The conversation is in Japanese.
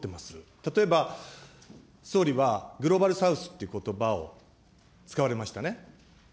例えば総理はグローバル・サウスということばを使われましたね。